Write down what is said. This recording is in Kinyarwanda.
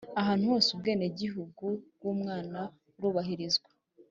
ahantu hos Ubwene gihugu bw umwana burubahirizwa